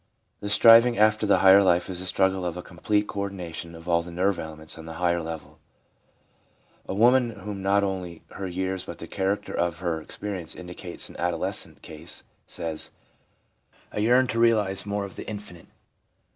The striving after the higher life is the struggle after a complete co ordination of all the nerve elements on the higher level. A woman in whom not only her years but the character of her experience indicates an adolescent case, says :' I yearn to realise more of the infinite.'